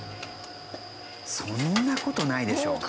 そんな事ないでしょう。